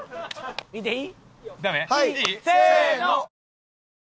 見ていい？